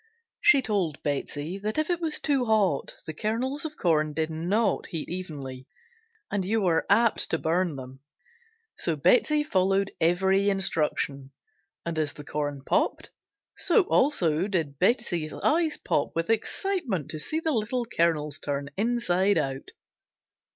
She told Betsey that if it was too hot the kernels of corn did not heat evenly and you were apt to burn them; so Betsey followed every instruction, and as the corn popped so also did Betsey's eyes pop with excitement to see the little kernels turn inside out.